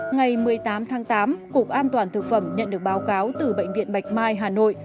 ngày một mươi tám tháng tám cục an toàn thực phẩm nhận được báo cáo từ bệnh viện bạch mai hà nội